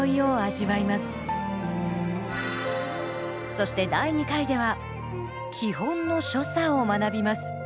そして第二回では基本の所作を学びます。